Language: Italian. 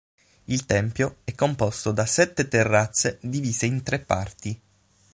Il tempio è composto da sette terrazze, divise in tre parti.